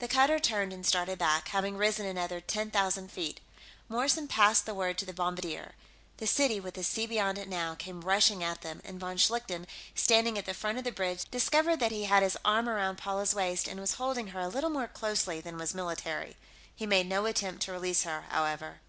The cutter turned and started back, having risen another ten thousand feet. Morrison passed the word to the bombardier. The city, with the sea beyond it now, came rushing at them, and von Schlichten, standing at the front of the bridge, discovered that he had his arm around Paula's waist and was holding her a little more closely than was military. He made no attempt to release her, however.